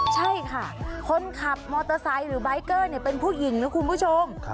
ใช่ค่ะคนขับมอเตอร์ไซค์หรือใบเกอร์เป็นผู้หญิงนะคุณผู้ชม